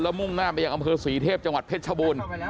แล้วมุ่งหน้าไปอย่างอำเภอสีเทพจังหวัดเพชรชะบุญ